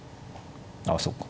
あそっか。